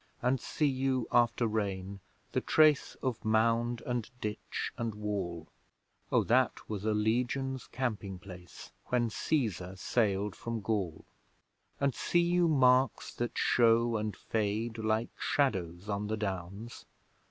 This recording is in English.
And see you, after rain, the trace Of mound and ditch and wall? O that was a Legion's camping place, When Cæsar sailed from Gaul! And see you marks that show and fade, Like shadows on the Downs?